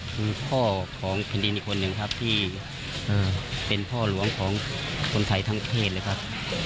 คุณพ่อของแผ่นดินอีกคนหนึ่งครับที่เป็นพ่อหลวงของคนไทยทั้งประเทศเลยครับ